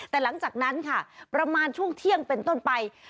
แต่หลังจากนั้นค่ะประมาณช่วงเที่ยงเป็นต้นไป